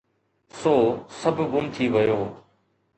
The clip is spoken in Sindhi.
سو سڀ گم ٿي ويو.